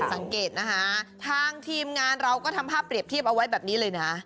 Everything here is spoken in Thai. สังเกตนะคะทางทีมงานเราก็ทำภาพเปรียบเทียบเอาไว้แบบนี้เลยนะ